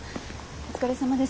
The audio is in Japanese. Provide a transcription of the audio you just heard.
お疲れさまです。